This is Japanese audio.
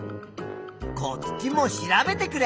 こっちも調べてくれ。